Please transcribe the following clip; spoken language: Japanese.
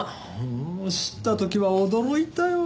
もう知った時は驚いたよ。